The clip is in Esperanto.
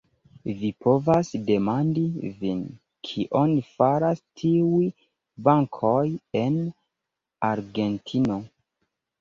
Vi povas demandi vin, kion faras tiuj bankoj en Argentino?